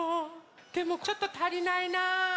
でもちょっとたりないな。